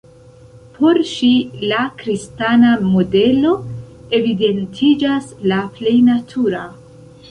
Por ŝi la kristana modelo evidentiĝas la plej natura.